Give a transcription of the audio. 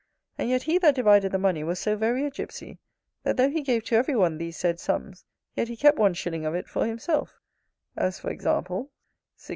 And yet he that divided the money was so very a gypsy, that though he gave to every one these said sums, yet he kept one shilling of it for himself As, for example, s. d.